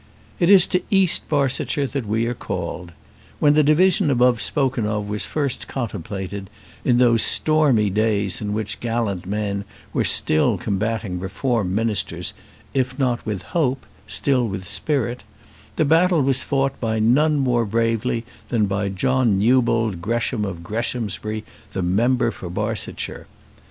It is to East Barsetshire that we are called. When the division above spoken of was first contemplated, in those stormy days in which gallant men were still combatting reform ministers, if not with hope, still with spirit, the battle was fought by none more bravely than by John Newbold Gresham of Greshamsbury, the member for Barsetshire.